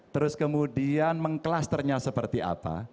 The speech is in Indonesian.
terus kemudian meng clusternya seperti apa